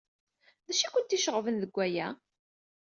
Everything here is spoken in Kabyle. D acu ay kent-iceɣben deg waya?